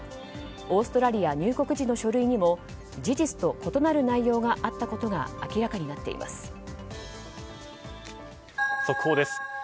オーストラリア入国時の書類にも事実と異なる内容があったことが速報です。